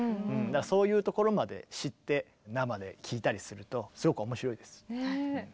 そういうところまで知って生で聴いたりするとすごく面白いです。